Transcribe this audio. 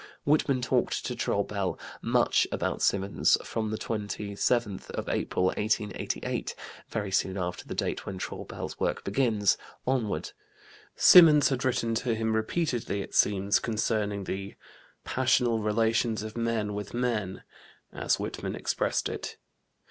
Whitman talked to Traubel much about Symonds from the twenty seventh of April, 1888 (very soon after the date when Traubel's work begins), onward. Symonds had written to him repeatedly, it seems, concerning the "passional relations of men with men," as Whitman expressed it.